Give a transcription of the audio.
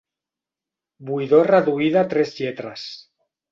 Buidor reduïda a tres lletres.